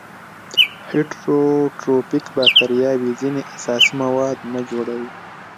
هیټروټروفیک باکتریاوې ځینې اساسي مواد نه جوړوي.